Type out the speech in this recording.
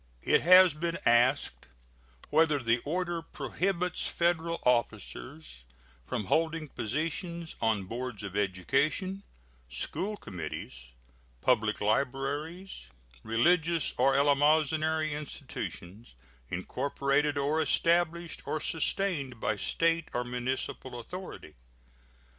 It has been asked whether the order prohibits Federal officers from holding positions on boards of education, school committees, public libraries, religious or eleemosynary institutions incorporated or established or sustained by State or municipal authority.